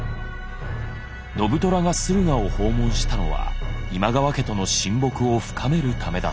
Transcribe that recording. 信虎が駿河を訪問したのは今川家との親睦を深めるためだった。